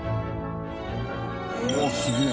うわあすげえ。